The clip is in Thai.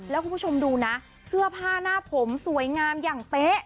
แล้วคุณผู้ชมดูนะเสื้อผ้าหน้าผมสวยงามอย่างเป๊ะ